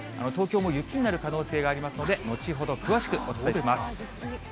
東京も雪になる可能性がありますので、後ほど詳しくお伝えします。